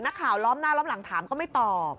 ล้อมหน้าล้อมหลังถามก็ไม่ตอบ